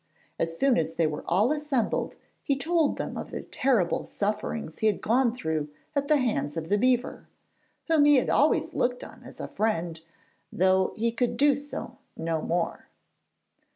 As soon as they were all assembled he told them of the terrible sufferings he had gone through at the hands of the beaver, whom he had always looked on as a friend, though he could do so no more.